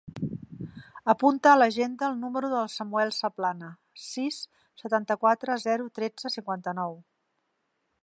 Apunta a l'agenda el número del Samuel Zaplana: sis, setanta-quatre, zero, tretze, cinquanta-nou.